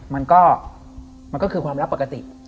มันก็คือความรักปกติ